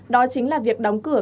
đó chính là việc đóng cửa